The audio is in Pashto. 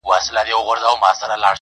o له بدو څخه ښه زېږي، له ښو څخه واښه!